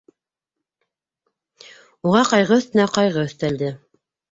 Уға ҡайғы өҫтөнә ҡайғы өҫтәлде.